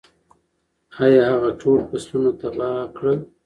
ایا هغه ټول فصلونه تباه کړل؟